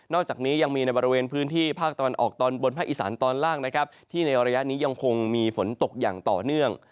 อกจากนี้ยังมีในบริเวณพื้นที่ภาคตะวันออกตอนบนภาคอีสานตอนล่างนะครับที่ในระยะนี้ยังคงมีฝนตกอย่างต่อเนื่อง